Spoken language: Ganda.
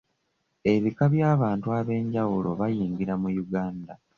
Ebika by'abantu ab'enjawulo bayingira mu Uganda.